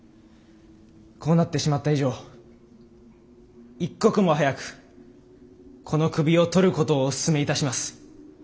こうなってしまった以上一刻も早くこの首を取ることをお勧めいたします。